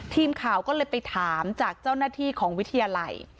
ทีมข่าวก็เลยไปถามจากเจ้าหน้าที่ของวิทยาลัย